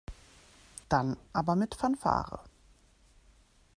Dann aber mit Fanfare.